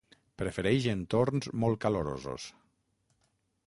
Prefereix entorns molt calorosos.